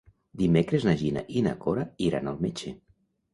Dimecres na Gina i na Cora iran al metge.